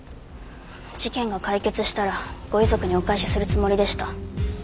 事件が解決したらご遺族にお返しするつもりでした。